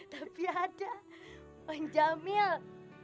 tapi ada wan jamil